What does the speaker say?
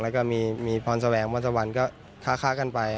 และมีพรแสวงบรรทะวัลก็คาดกันไป